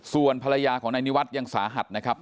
ส่วนภรรยาของนายนิวัตรยังสาหัสนะครับ